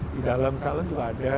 di dalam salon juga ada